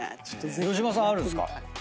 城島さんあるんすか？